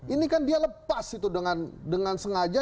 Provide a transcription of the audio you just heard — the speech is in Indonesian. ini kan dia lepas itu dengan sengaja